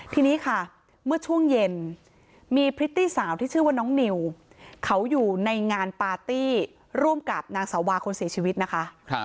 ทีนี้ค่ะเมื่อช่วงเย็นมีพริตตี้สาวที่ชื่อว่าน้องนิวเขาอยู่ในงานปาร์ตี้ร่วมกับนางสาวาคนเสียชีวิตนะคะ